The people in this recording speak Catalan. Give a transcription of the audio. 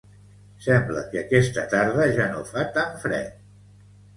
Sembla que aquesta tarda ja no fa tant fred